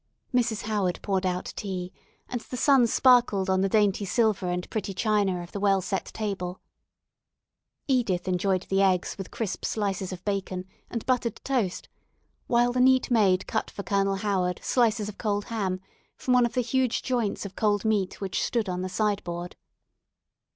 Mrs. Howard poured out tea; and the sun sparkled on the dainty silver and pretty china of the well set table. Edith enjoyed the eggs with crisp slices of bacon, and buttered toast, while the neat maid cut for Colonel Howard slices of cold ham from one of the huge joints of cold meat which stood on the sideboard.